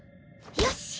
よし！